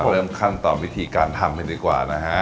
เริ่มขั้นตอนวิธีการทำกันดีกว่านะฮะ